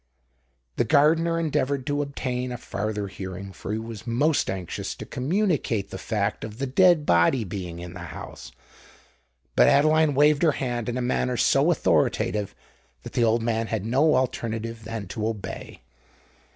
The gardener endeavoured to obtain a farther hearing—for he was most anxious to communicate the fact of the dead body being in the house; but Adeline waved her hand in a manner so authoritative, that the poor old man had no alternative than to obey.